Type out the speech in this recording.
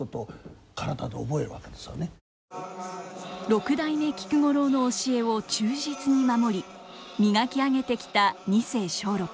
六代目菊五郎の教えを忠実に守り磨き上げてきた二世松緑。